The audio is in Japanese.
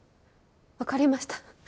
わかりました。